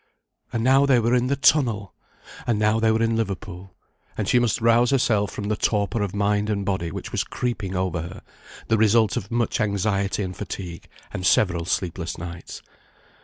And now they were in the tunnel! and now they were in Liverpool; and she must rouse herself from the torpor of mind and body which was creeping over her; the result of much anxiety and fatigue, and several sleepless nights.